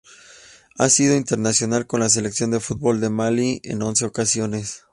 Ha sido internacional con la Selección de fútbol de Malí en once ocasiones.